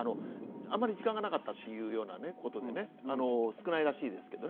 あまり時間がなかったということでね、少ないらしいですけどね。